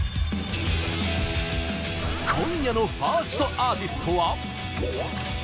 今夜のファーストアーティストは。